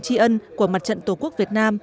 tri ân của mặt trận tổ quốc việt nam